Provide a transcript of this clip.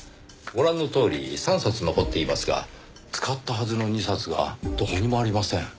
ご覧のとおり３冊残っていますが使ったはずの２冊がどこにもありません。